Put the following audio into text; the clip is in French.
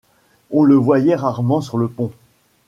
On le voyait rarement sur le pont.